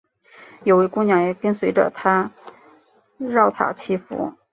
有位姑娘也跟随着他饶塔祈福。